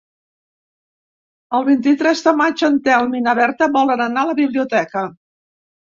El vint-i-tres de maig en Telm i na Berta volen anar a la biblioteca.